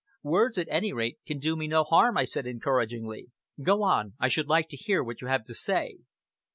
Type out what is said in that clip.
"Words, at any rate, can do me no harm," I said encouragingly. "Go on! I should like to hear what you have to say."